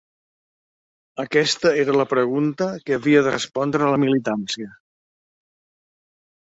Aquesta era la pregunta que havia de respondre la militància.